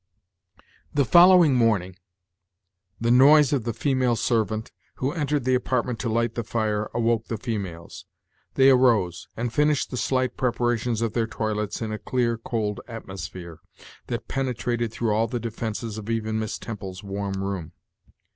The following morning, the noise of the female servant, who entered the apartment to light the fire, awoke the females. They arose, and finished the slight preparations of their toilets in a clear, cold atmosphere, that penetrated through all the defences of even Miss Temple's warm room.